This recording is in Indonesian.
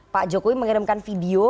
pak jokowi mengirimkan video